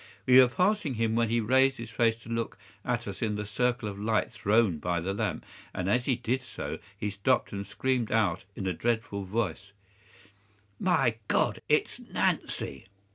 We were passing him when he raised his face to look at us in the circle of light thrown by the lamp, and as he did so he stopped and screamed out in a dreadful voice, "My God, it's Nancy!"